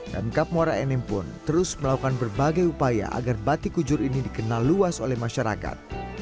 dan kap mora enim pun terus melakukan berbagai upaya agar batik kujur ini dikenal luas oleh masyarakat